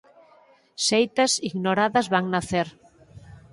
Seitas ignoradas van nacer.